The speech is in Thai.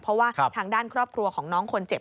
เพราะว่าทางด้านครอบครัวของน้องคนเจ็บ